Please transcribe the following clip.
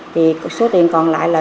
thì số tiền còn lại là